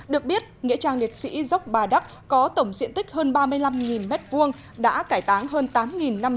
được biết nghĩa trang liệt sĩ dốc bà đắc có tổng diện tích hơn ba mươi năm m hai đã cải táng hơn tám m hai